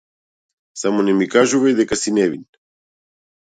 Само не ми кажувај дека си невин.